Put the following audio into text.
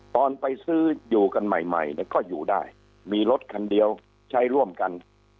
ตอนไปซื้ออยู่กันใหม่เนี่ยก็อยู่ได้มีรถคันเดียวใช้ร่วมกัน